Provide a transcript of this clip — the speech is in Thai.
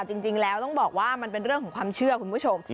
จริงแล้วต้องบอกว่ามันเป็นเรื่องของความเชื่อคุณผู้ชม